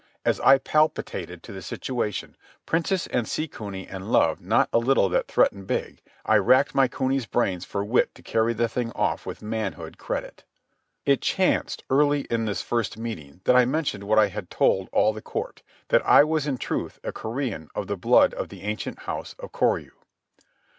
As I palpitated to the situation, princess and sea cuny and love not a little that threatened big, I racked my cuny's brains for wit to carry the thing off with manhood credit. It chanced, early in this first meeting, that I mentioned what I had told all the Court, that I was in truth a Korean of the blood of the ancient house of Koryu.